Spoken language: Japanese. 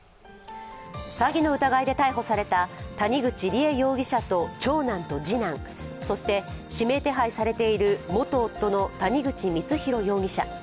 詐欺の疑いで逮捕された谷口梨恵容疑者と長男と次男そして、指名手配されている元夫の谷口光弘容疑者。